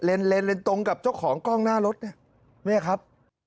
เลนตรงกับเจ้าของกล้องหน้ารถเนี่ยครับ